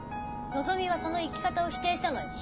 のぞみはその生き方を否定したのよ。